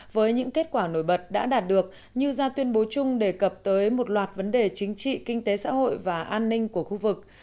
với những kết quả nổi bật đã đạt được như ra tuyên bố chung đề cập tới một loạt vấn đề chính trị kinh tế xã hội và an ninh của khu vực